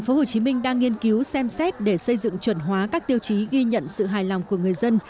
tp hcm đang nghiên cứu xem xét để xây dựng chuẩn hóa các tiêu chí ghi nhận sự hài lòng của người dân